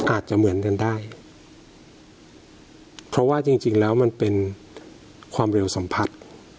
อาจจะเหมือนกันได้เพราะว่าจริงจริงแล้วมันเป็นความเร็วสัมผัส